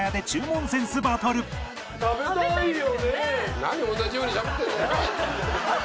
何同じようにしゃべってるんだよ！